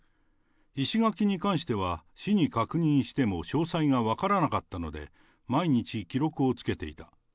石垣に関しては、市に確認しても詳細が分からなかったので、毎日記録をつけていた。